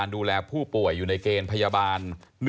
ดูแลผู้ป่วย๕๐๐คน